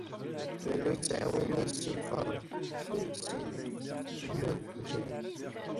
Illu yettɛawan-itt si lefjer.